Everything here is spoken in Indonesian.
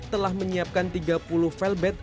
telah menyiapkan tiga puluh felbet